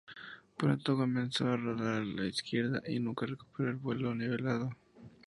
Pronto comenzó a rodar a la izquierda, y nunca recuperó el vuelo nivelado.